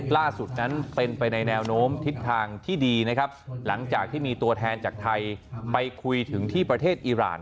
ล่าสุดนั้นเป็นไปในแนวโน้มทิศทางที่ดีนะครับหลังจากที่มีตัวแทนจากไทยไปคุยถึงที่ประเทศอีราน